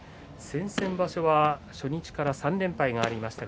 先々場所は初日から３連敗がありました。